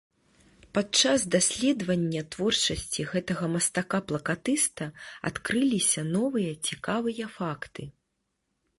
Падчас даследавання творчасці гэтага мастака-плакатыста адкрыліся новыя цікавыя факты.